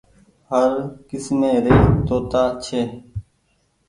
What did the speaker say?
هر ڪسمي ري توتآ ڇي۔